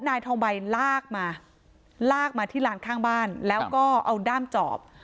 นายทองใบลากมาลากมาที่ลานข้างบ้านแล้วก็เอาด้ามจอบ